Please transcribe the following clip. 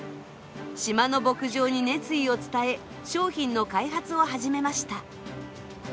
島の牧場に熱意を伝え商品の開発を始めました。